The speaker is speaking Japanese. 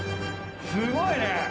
すごいね！